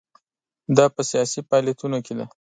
دا په سیاسي فعالیتونو کې ده.